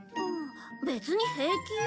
別に平気よ。